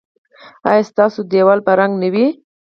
ایا ستاسو دیوال به رنګ وي؟